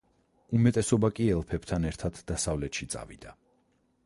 უმეტესობა კი ელფებთან ერთად დასავლეთში წავიდა.